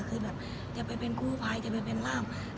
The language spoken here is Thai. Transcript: คือแบบจะไปเป็นกู้ภัยจะไปเป็นร่าง